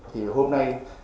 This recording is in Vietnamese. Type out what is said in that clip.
thì hôm nay